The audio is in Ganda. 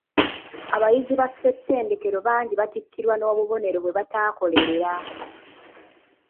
Abayizi ba ssettendekero bangi batikkirwa n'obubonero bwe bataakolerera.